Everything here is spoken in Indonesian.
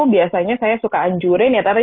biasanya saya suka anjurin ya tapi